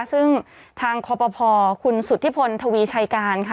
ซึ่งทางคอปภคุณสุธิพลทวีชัยการค่ะ